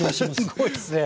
すっごいっすね。